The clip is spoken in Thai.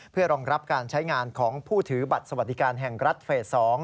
เพื่อรองรับการใช้งานของผู้ถือบัตรสวัสดิการแห่งรัฐเฟส๒